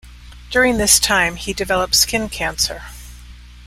During this time, he developed skin cancer.